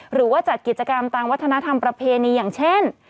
หรือว่าจัดกิจกรรมตามวัฒนธรรมประเพณีอย่างเช่น